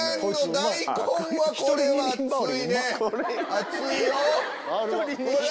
熱いよ！